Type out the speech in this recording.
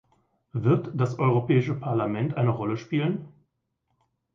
Wird das Europäische Parlament eine Rolle spielen?